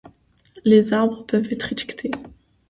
Les arbres peuvent être étiquetés.